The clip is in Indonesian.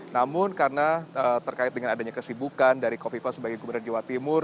namun karena terkait dengan adanya kesibukan dari kofifa sebagai gubernur jawa timur